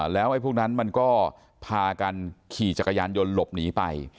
แล้วไอ้พวกนั้นมันก็พากันขี่จักรยานยนต์หลบหนีไป